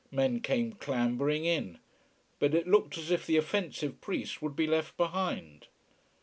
Men came clambering in. But it looked as if the offensive priest would be left behind.